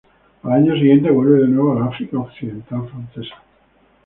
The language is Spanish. Al año siguiente vuelve de nuevo a la África occidental francesa.